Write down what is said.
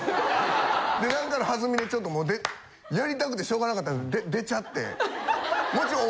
でなんかの弾みでちょっともうやりたくてしょうがなかったんで出ちゃって。